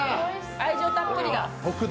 愛情たっぷりだ。